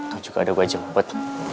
tau juga ada gue aja ngumpet